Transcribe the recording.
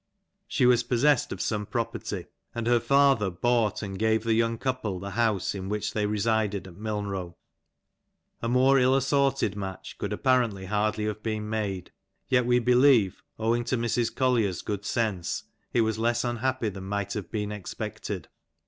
She was possessed of some property^ and her father bought and gave the young couple the house in which they resided at Milnrow. A more ill assorted match could apparently hardly have been made; yet we believe, owing to Mrs. Collier''s good sense, it was less unhappy than might have been expected.